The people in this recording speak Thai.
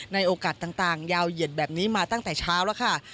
ในโอกาสต่างยาวเหยียดแบบนี้มาตั้งแต่เช้าแล้วค่ะ